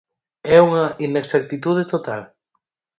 É unha inexactitude total.